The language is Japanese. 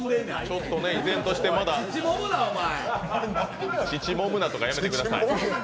ちょっと依然として乳もむなとかやめてください。